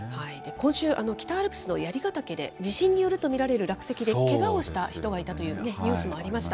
今週、北アルプスの槍ヶ岳で、地震によると見られる落石で、けがをした人がいたというね、ニュースもありました。